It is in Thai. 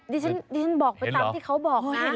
ดิฉันบอกไปตามที่เขาบอกนะ